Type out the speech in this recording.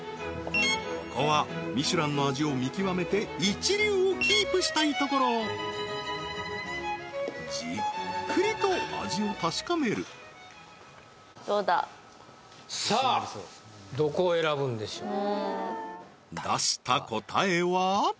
ここはミシュランの味を見極めて一流をキープしたいところじっくりと味を確かめるさあ出した答えは？